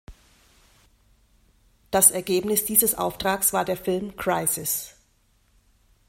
Das Ergebnis dieses Auftrags war der Film Crisis.